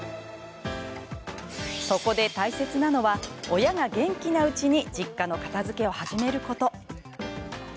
そこで大切なのは親が元気なうちに実家の片づけを始めること。